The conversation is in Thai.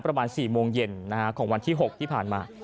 ประมาณ๔โมงเย็นของวันที่๖ที่ผ่านมา